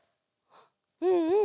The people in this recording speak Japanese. うんうん。